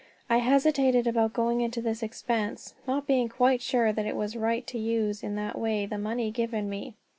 I hesitated about going into this expense, not being quite sure that it was right to use in that way the money given me.